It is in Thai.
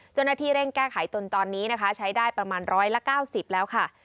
จนที่เร่งแก้ไขตนตอนนี้นะคะใช้ได้ประมาณร้อยละเก้าสิบแล้วค่ะ